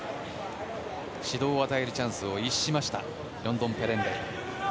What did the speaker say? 指導を与えるチャンスを逸しましたヨンドンペレンレイ。